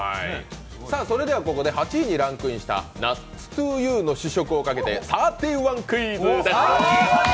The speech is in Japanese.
それではここで８位にランクインしたナッツトゥユーの試食をかけたサーティワンクイズです。